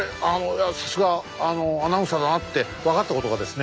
さすがアナウンサーだなって分かったことがですね